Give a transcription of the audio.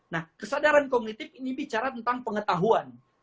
nah kesadaran kognitif ini bicara tentang pengetahuan